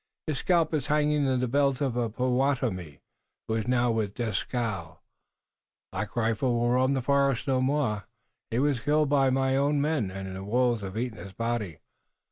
His scalp is hanging in the belt of a Pottawattomie who is now with Dieskau. Black Rifle will roam the forest no more. He was killed by my own men, and the wolves have eaten his body.